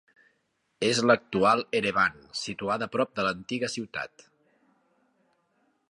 És l'actual Erevan, situada prop de l'antiga ciutat.